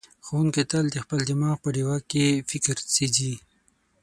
ښوونکی تل د خپل دماغ په ډیوه کې فکر سېځي.